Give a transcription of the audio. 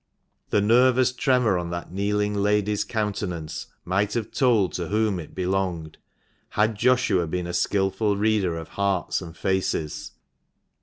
The nervous tremor on that kneeling lady's countenance might have told to whom it belonged, had Joshua been a skilful reader of hearts and faces.